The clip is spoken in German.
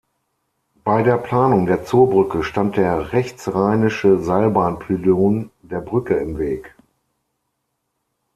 Bei der Planung der Zoobrücke stand der rechtsrheinische Seilbahn-Pylon der Brücke im Weg.